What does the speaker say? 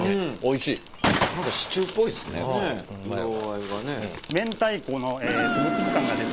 ねっ色合いがね。